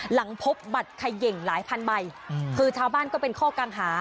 หลังพบบัตรเขย่งหลายพันใบคือชาวบ้านก็เป็นข้อกังหา